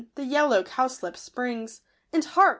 The yellow cowslip springs ; And, hark